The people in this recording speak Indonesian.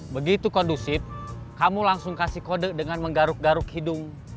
begitu kondusif kamu langsung kasih kode dengan menggaruk garuk hidung